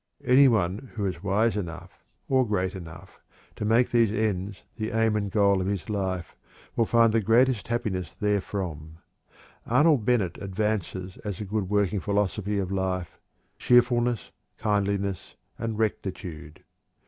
Any one who is wise enough, or great enough, to make these ends the aim and goal of life will find the greatest happiness therefrom. Arnold Bennett advances as a good working philosophy of life: "cheerfulness, kindliness, and rectitude."